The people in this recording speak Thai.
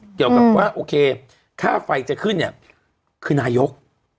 เกี่ยวกับว่าโอเคค่าไฟจะขึ้นเนี่ยคือนายก